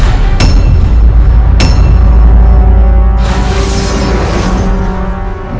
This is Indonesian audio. kau tidak akan menjadi seorang raja pajacaran